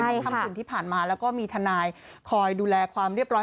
ค่ำคืนที่ผ่านมาแล้วก็มีทนายคอยดูแลความเรียบร้อย